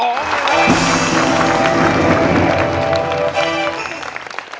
๒เลย